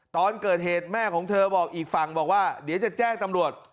ตอนเกิดเหตุแม่ของเธอบอกอีกฝั่งบอกว่าเดี๋ยวจะแจ้งตำรวจ